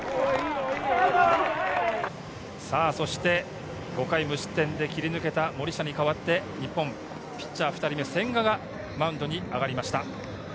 そして、５回、無失点で切り抜けた森下に代わって日本ピッチャー２人目、千賀がマウンドに上がりました。